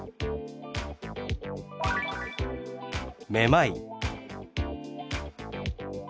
「めまい」。